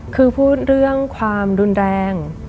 คือพูดเรื่องความรุนแรง